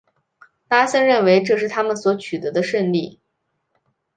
拉森认为这是他们所取得的胜利。